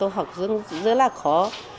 học rất là khó